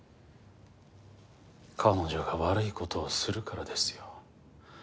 彼女が悪い事をするからですよ。